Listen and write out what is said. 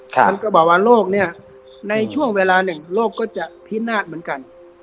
ท่านก็บอกว่าโลกเนี่ยในช่วงเวลาหนึ่งโลกก็จะพินาศเหมือนกัน